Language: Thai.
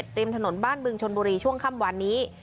ริมถนนบ้านบึงชนบุรีช่วงค่ำวันนี้